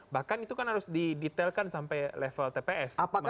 bahkan itu kan harus didetailkan sampai level tps